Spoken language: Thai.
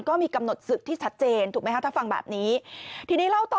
ก็มีกำหนดศึกที่ชัดเจนถูกไหมคะถ้าฟังแบบนี้ทีนี้เล่าต่อ